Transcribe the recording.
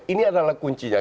ini adalah kuncinya